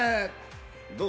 どう？